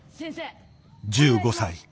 １５歳。